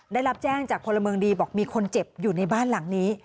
ได้รับแจ้งจากพลเมืองดีบอกมีคนเจ็บอยู่ในบ้านหลังนี้